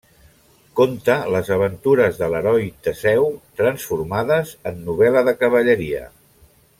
Conta les aventures de l'heroi Teseu transformades en novel·la de cavalleria.